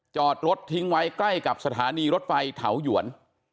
จอดรถทิ้งไว้ใกล้กับสถานีรถไฟเถาหยวน